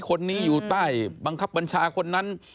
คนนี้อยู่ใต้บังคับบัญชาคนนั้น